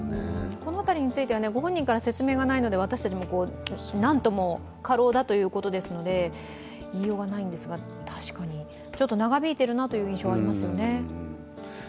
この辺りについてはご本人から説明がないので、私たちも、なんとも、過労だということなので言いようがないんですが、確かに長引いてるという印象はありますよね。